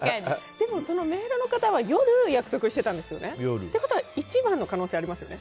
でも、メール方は夜約束してたんですよね。ってことは１番の可能性ありますよね。